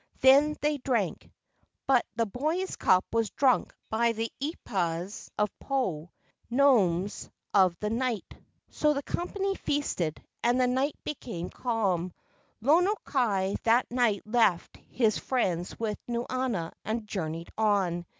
Then they drank. But the boy's cup was drunk by the eepas of Po (gnomes of the 208 LEGENDS OF GHOSTS night). So the company feasted and the night became calm. Lono kai that night left his friends with Nuanua and journeyed on.